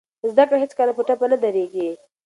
زده کړه هېڅکله په ټپه نه دریږي.